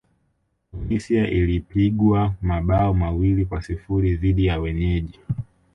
tunisia ilipigwa mabao mawili kwa sifuri dhidi ya wenyeji